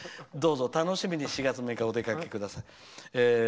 どうぞ楽しみに４月６日お出かけください。